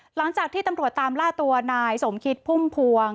หลังจากที่ตำรวจตามล่าตัวนายสมคิดพุ่มพวง